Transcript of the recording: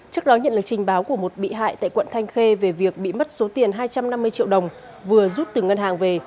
trước đó nhận lời trình báo của một bị hại tại quận thanh khê về việc bị mất số tiền hai trăm năm mươi triệu đồng vừa rút từ ngân hàng về